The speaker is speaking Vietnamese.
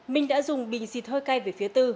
minh đã dùng bình xịt hơi cay về phía tư